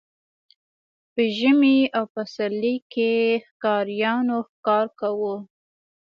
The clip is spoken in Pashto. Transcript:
په ژمي او پسرلي کې ښکاریانو ښکار کاوه.